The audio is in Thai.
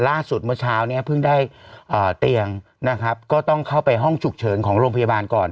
เมื่อเช้าเนี่ยเพิ่งได้เตียงนะครับก็ต้องเข้าไปห้องฉุกเฉินของโรงพยาบาลก่อน